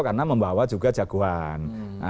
karena membawa juga jagoan